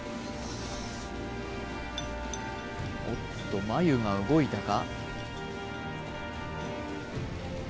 おっと眉が動いたか？